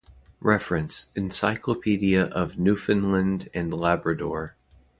Reference: "Encyclopedia of Newfoundland and Labrador"